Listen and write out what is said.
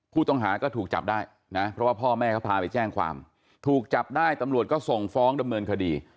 ผู้ต้องหาก็ถูกจับได้นะเพราะว่าพ่อแม่เขาพาไปแจ้งความถูกจับได้ตำรวจก็ส่งฟ้องดำเนินคดี